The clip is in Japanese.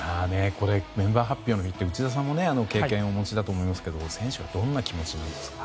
メンバー発表の日って内田さんも経験をお持ちだと思いますけど選手はどんな気持ちなんですか。